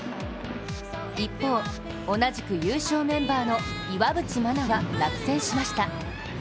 一方、同じく優勝メンバーの岩渕真奈は落選しました。